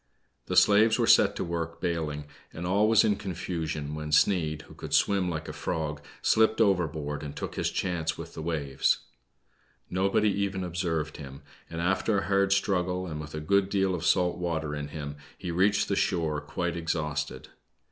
The slaves were set to work bailing, and all was in confusion, when Sneid, who could swim like a frog, slipped overboard and took his chance with the waves. No body even observed him, and after a hard struggle, and with a good deal of salt water in him, he reached the shore, quite exhausted.